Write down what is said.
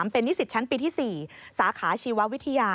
เป็นนิสิตชั้นปีที่๔สาขาชีววิทยา